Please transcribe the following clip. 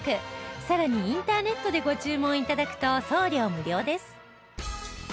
さらにインターネットでご注文頂くと送料無料です